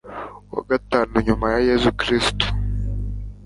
wa gatanu nyuma ya yezu kristu